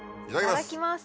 いただきます。